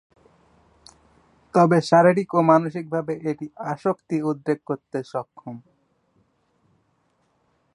তবে শারীরিক ও মানসিকভাবে এটি আসক্তি উদ্রেক করতে সক্ষম।